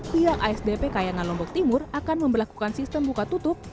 pihak asdp kayangan lombok timur akan memperlakukan sistem buka tutup